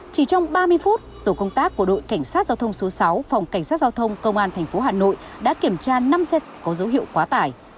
chỉ trong ba mươi phút tổ công tác của đội cảnh sát giao thông số sáu phòng cảnh sát giao thông công an tp hà nội đã kiểm tra năm xe có dấu hiệu quá tải